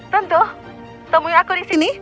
tentu temui aku di sini